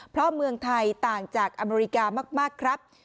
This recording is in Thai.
เพราะเมืองไทยต่างจากอเมริกามากครับ